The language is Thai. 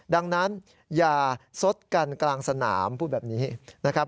ดังนั้นอย่าสดกันกลางสนามพูดแบบนี้นะครับ